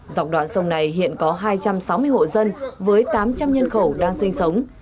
dọc đoạn sông này hiện có hai trăm sáu mươi hộ dân với tám trăm linh nhân khẩu đang sinh sống